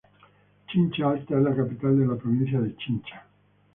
Chincha Alta es la capital de la provincia de Chincha.